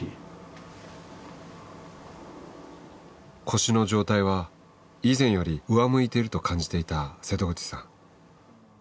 腰の状態は以前より上向いていると感じていた瀬戸口さん。